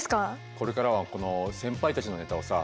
これからはこの先輩たちのネタをさ